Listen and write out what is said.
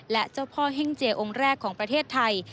และเจ้าพ่อเฮ่งเจองค์แรกของประเทศไทย